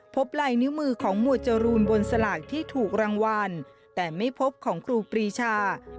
พบลายนิ้วมือของหมวดจรูนบนสลากที่ถูกรางวัลแต่ไม่พบของครูปรีชา